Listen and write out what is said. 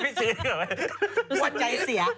มันใจเสีย